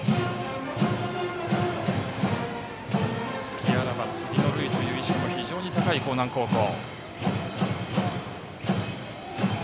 隙あらば次の塁という意識も非常に高い興南高校。